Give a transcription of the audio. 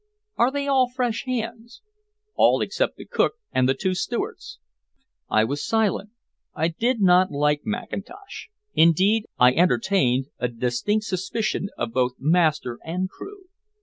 "Are they all fresh hands?" "All except the cook and the two stewards." I was silent. I did not like Mackintosh. Indeed, I entertained a distinct suspicion of both master and crew.